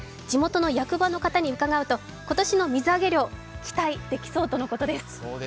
地元の役場の方にうかがうと今年の水揚げ量、期待できそうということです。